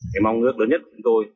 cái mong ước lớn nhất của chúng tôi